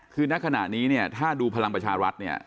คือนักขณะนี้เนี่ยถ้าดูพลังประชารัฐเนี่ย